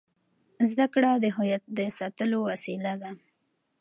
زده کړه د هویت د ساتلو وسیله ده.